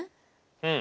うん。